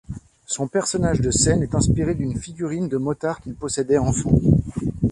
Son personnage de scène est inspiré d'une figurine de motard qu'il possédait enfant.